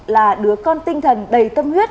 là đứa con tinh thần đầy tâm huyết